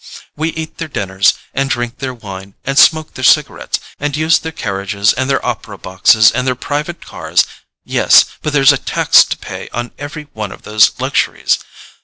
We eat their dinners, and drink their wine, and smoke their cigarettes, and use their carriages and their opera boxes and their private cars—yes, but there's a tax to pay on every one of those luxuries.